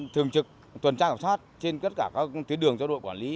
thường trực tuần tra kiểm soát trên các tuyến đường cho đội quản lý